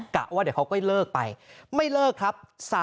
กะว่าเดี๋ยวเขาก็เลิกไปไม่เลิกครับ